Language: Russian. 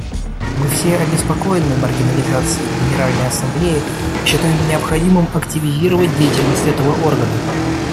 Мы все обеспокоены маргинализацией Генеральной Ассамблеи и считаем необходимым активизировать деятельность этого органа.